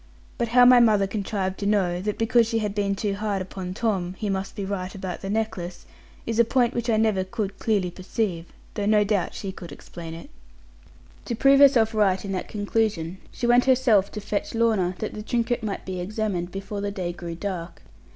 But how my mother contrived to know, that because she had been too hard upon Tom, he must be right about the necklace, is a point which I never could clearly perceive, though no doubt she could explain it. To prove herself right in the conclusion, she went herself to fetch Lorna, that the trinket might be examined, before the day grew dark.